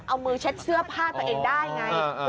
เอามือเช็ดเสื้อผ้าตัวเองได้ไง